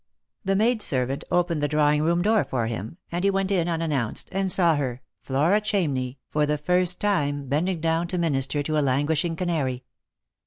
The maid servant opened the drawing room door for him, and he went in unannounced, and saw her, Flora Chamney, for the first time, bending down to minister to a languishing canary.